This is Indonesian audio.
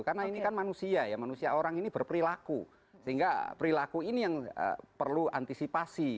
karena ini kan manusia ya manusia orang ini berperilaku sehingga perilaku ini yang perlu antisipasi